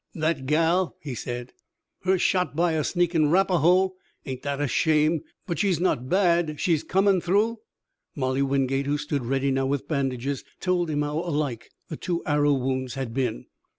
"That gal!" he said. "Her shot by a sneakin' Rapahoe? Ain't that a shame! But she's not bad she's comin' through?" Molly Wingate, who stood ready now with bandages, told him how alike the two arrow wounds had been.